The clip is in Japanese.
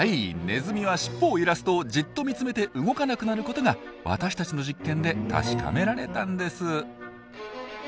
ネズミはしっぽを揺らすとじっと見つめて動かなくなることが私たちの実験で確かめられたんです。